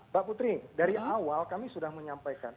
mbak putri dari awal kami sudah menyampaikan